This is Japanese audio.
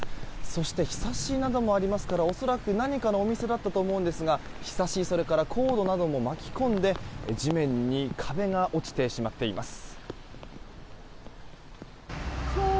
そしてひさしなどもありますから恐らく何かのお店だったと思うんですがひさし、それからコードなども巻き込んで地面に壁が落ちてしまっています。